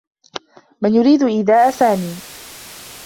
من يريد إيذاء سامي؟